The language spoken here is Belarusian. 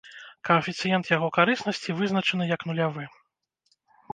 Каэфіцыент яго карыснасці вызначаны як нулявы.